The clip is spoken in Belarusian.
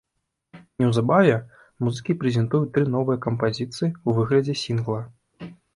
Неўзабаве музыкі прэзентуюць тры новыя кампазіцыі ў выглядзе сінгла.